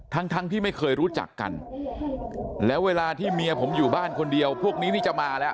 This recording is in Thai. ทั้งทั้งที่ไม่เคยรู้จักกันแล้วเวลาที่เมียผมอยู่บ้านคนเดียวพวกนี้นี่จะมาแล้ว